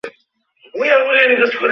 আর মূসা সংজ্ঞাহীন হয়ে পড়ল।